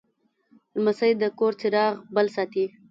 لمسی د کور چراغ بل ساتي.